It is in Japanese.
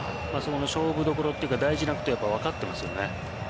勝負どころというか大事なところをやっぱ分かってますよね。